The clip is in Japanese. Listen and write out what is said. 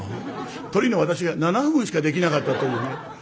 トリの私が７分しかできなかったというね。